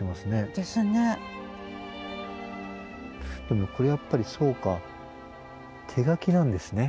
でもこれやっぱりそうか手書きなんですね。